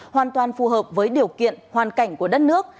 hoàn toàn phù hợp với điều kiện hoàn cảnh của đất nước